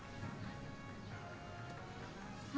あ